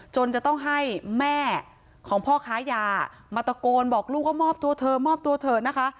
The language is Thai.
จนจะต้องให้แม่ของพ่อค้ายามาตะโกนบอกลูกว่ามอบตัวเถอะมอบตัวเถอะนะคะ